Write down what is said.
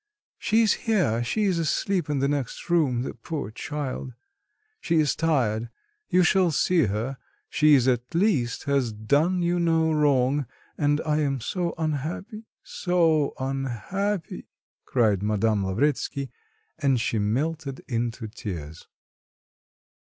She is here, she is asleep in the next room, the poor child! She is tired you shall see her; she at least has done you no wrong, and I am so unhappy, so unhappy!" cried Madame Lavretsky, and she melted into tears.